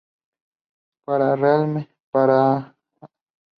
Se colocó, por parte del Gobierno vasco, un pequeño monumento.